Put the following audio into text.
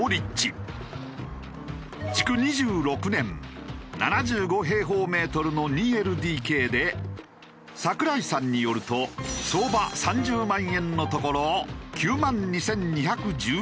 築２６年７５平方メートルの２ＬＤＫで櫻井さんによると相場３０万円のところ９万２２１０円。